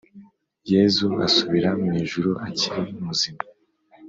yezu asubira mw’ijuru akiri muzima